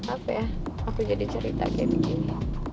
apa ya aku jadi cerita kayak begini